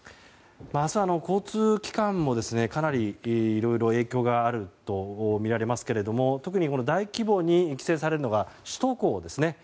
明日、交通機関もかなりいろいろ影響があるとみられますけれども特に大規模に規制されるのが首都高ですね。